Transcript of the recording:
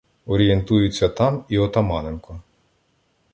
Орієнтується там і Отаманенко.